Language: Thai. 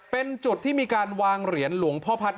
เป็นจุดที่มีการวางเหรียญหลวงพ่อพัฒน์